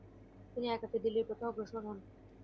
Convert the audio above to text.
তিনি একাকী দিল্লির পথে অগ্রসর হন।